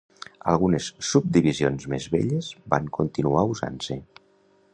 Algunes subdivisions més velles van continuar usant-se.